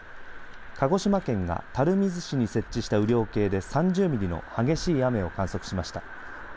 鹿児島県が垂水市に設置した雨量計で３０ミリの激しい雨を観測しました。